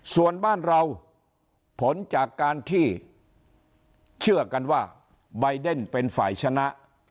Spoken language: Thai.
ส่วนบ้านเราผลจากการที่เชื่อกันว่าใบเดนเป็นฝ่ายชนะ